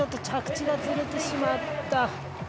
着地がずれてしまった。